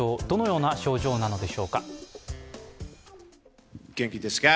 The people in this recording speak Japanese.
どのような症状なのでしょうか。